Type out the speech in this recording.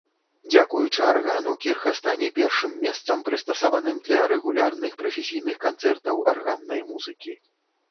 Дзякуючы аргану кірха стане першым месцам прыстасаваным для рэгулярных прафесійных канцэртаў арганнай музыкі.